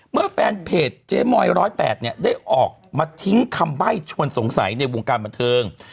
แฟนเพจเจ๊มอย๑๐๘เนี่ยได้ออกมาทิ้งคำใบ้ชวนสงสัยในวงการบันเทิง